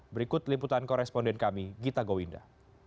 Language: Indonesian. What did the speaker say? berikut liputan koresponden kami gita gowinda